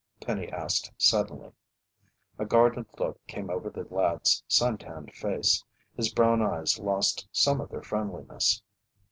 Penny asked suddenly. A guarded look came over the lad's sun tanned face. His brown eyes lost some of their friendliness.